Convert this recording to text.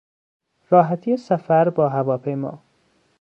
راحتی سفر با هواپیما